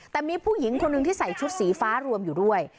แต่มีผู้หญิงคนหนึ่งที่ใส่ชุดสีฟ้ารวมอยู่ด้วย